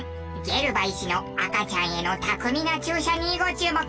ゲルバ医師の赤ちゃんへの巧みな注射にご注目。